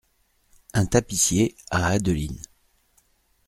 Un tapissier , à Adeline.